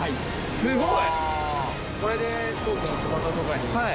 すごい！